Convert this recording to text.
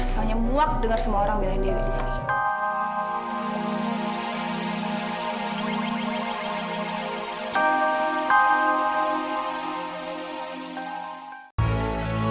soalnya muak dengar semua orang belain dewi di sini